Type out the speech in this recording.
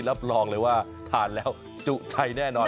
รับรองเลยว่าทานแล้วจุใจแน่นอน